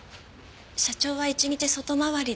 社長は一日外回りで。